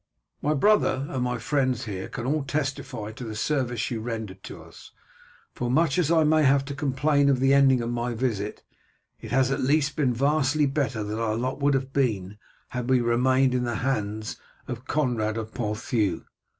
My brother and my friends here can all testify to the service you rendered to us, for much as I may have to complain of the ending of my visit, it has at least been vastly better than our lot would have been had we remained in the hands of Conrad of Ponthieu.